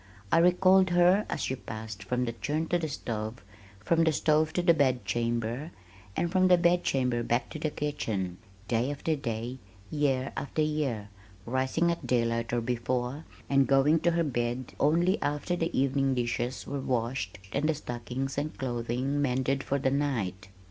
I recalled her as she passed from the churn to the stove, from the stove to the bedchamber, and from the bedchamber back to the kitchen, day after day, year after year, rising at daylight or before, and going to her bed only after the evening dishes were washed and the stockings and clothing mended for the night.